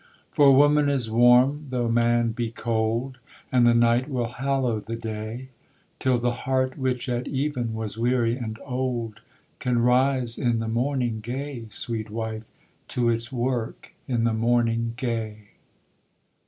For woman is warm though man be cold, And the night will hallow the day; Till the heart which at even was weary and old Can rise in the morning gay, Sweet wife; To its work in the morning gay.